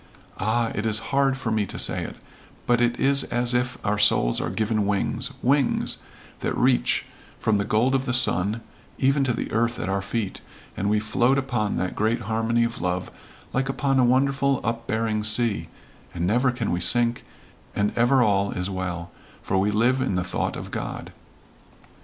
Ah, it is hard for me to say it but it is as if our souls are given wings wings that reach from the gold of the sun even to the earth at our feet, and we float upon that great harmony of love like upon a wonderful upbearing sea, and never can we sink, and ever all is well for we live in the thought of God."